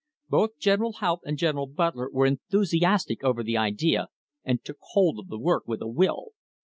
Both General Haupt and General Butler were enthusiastic over the idea and took hold of the work with a will.